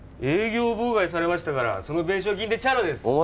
営業妨害されましたからその弁償金でチャラです。